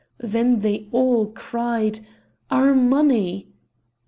Then they all cried: "Our money!"